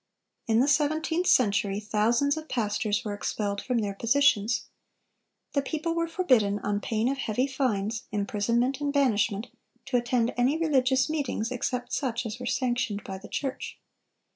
In the seventeenth century thousands of pastors were expelled from their positions. The people were forbidden, on pain of heavy fines, imprisonment, and banishment, to attend any religious meetings except such as were sanctioned by the church.